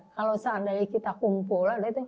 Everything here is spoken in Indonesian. kalau seandainya kita kumpul itu hindari